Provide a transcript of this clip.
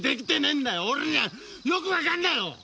俺にはよくわかんだよ！